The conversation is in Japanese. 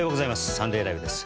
「サンデーＬＩＶＥ！！」です。